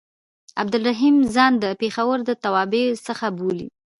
عبدالرحیم ځان د پېښور د توابعو څخه بولي.